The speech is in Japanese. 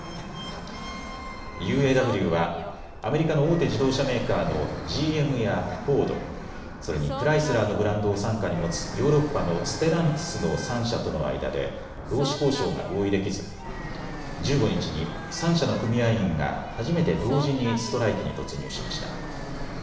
ＵＡＷはアメリカの大手自動車メーカーのＧＭやフォード、それにクライスラーのブランドを傘下に持つヨーロッパのステランティスの３社との間で労使交渉が合意できず１５日に３社の組合員が初めて同時にストライキに突入しました。